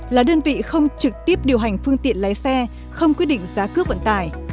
là đơn vị không trực tiếp điều hành phương tiện lái xe không quyết định giá cước vận tải